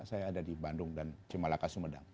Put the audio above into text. saya ada di bandung dan cimalaka sumedang